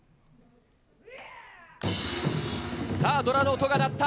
さあ、どらの音が鳴った。